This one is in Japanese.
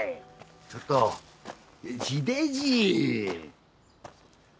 ちょっと秀じい。